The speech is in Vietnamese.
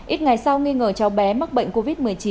ít ngày sau nghi ngờ cháu bé mắc bệnh covid một mươi chín